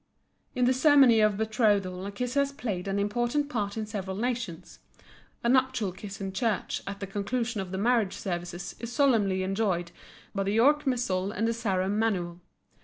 In the ceremony of betrothal a kiss has played an important part in several nations. A nuptial kiss in church at the conclusion of the marriage services is solemnly enjoined by the York Missal and the Sarum Manual.